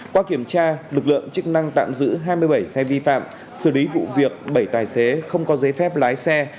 qua kiểm tra lực lượng chức năng tạm giữ hai mươi bảy xe vi phạm xử lý vụ việc bảy tài xế không có giấy phép lái xe